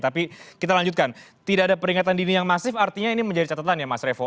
tapi kita lanjutkan tidak ada peringatan dini yang masif artinya ini menjadi catatan ya mas revo